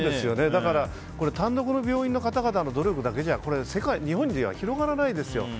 だから単独の病院の方々の努力だけじゃ日本では広がらないですよ。